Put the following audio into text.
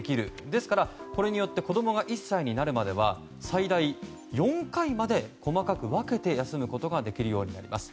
ですから、これによって子供が１歳になるまでは最大４回まで細かく分けて休むことができるようになります。